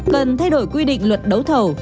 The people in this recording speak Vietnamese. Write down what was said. cần thay đổi quy định luật đấu thầu